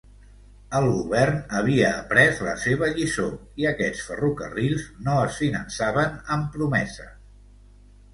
El govern havia après la seva lliçó i aquests ferrocarrils no es finançaven amb promeses.